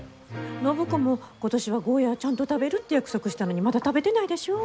暢子も今年はゴーヤーちゃんと食べるって約束したのにまだ食べてないでしょ？